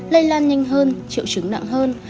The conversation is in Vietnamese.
lây lan nhanh hơn triệu chứng nặng hơn